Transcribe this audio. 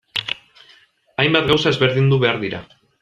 Hainbat gauza ezberdindu behar dira.